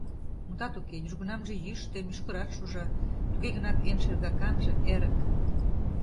Мутат уке, южгунамже йӱштӧ, мӱшкырат шужа, туге гынат эн шергаканже — эрык.